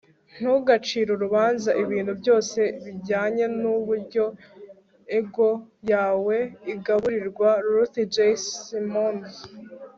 ntugacire urubanza ibintu byose bijyanye n'uburyo ego yawe igaburirwa. - ruth j. simmons